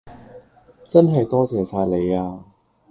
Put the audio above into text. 真係多謝晒你呀